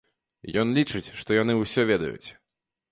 Ён лічыць, што яны ўсё ведаюць.